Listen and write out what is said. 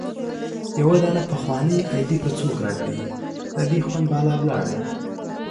يو دانه پخوانۍ ايډي به څوک را کړي د دې خوند بالا ولاړی